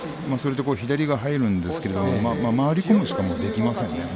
左が入るんですが回り込むしかできませんね。